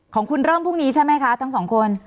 ของคุณเริ่มพรุ่งนี้ใช่ไหมคะทั้งสองคน